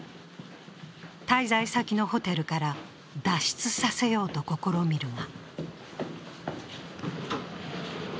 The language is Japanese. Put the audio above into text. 滞在先のホテルから脱出させようと試みるが。